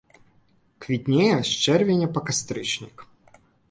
Квітнее з чэрвеня па кастрычнік.